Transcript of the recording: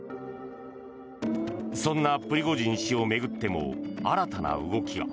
そんなプリゴジン氏を巡っても新たな動きが。